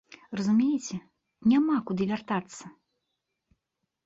Разумееце, няма куды вяртацца.